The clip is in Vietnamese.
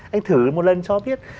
anh thử một lần cho biết